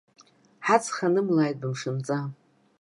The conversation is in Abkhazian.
Ҳаҵх анымлааит бымшынҵа.